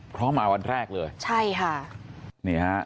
เพราะมาวันแรกเลยใช่ค่ะนี่ฮะ